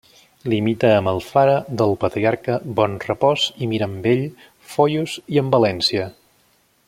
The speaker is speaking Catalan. Limita amb Alfara del Patriarca, Bonrepòs i Mirambell, Foios i amb València.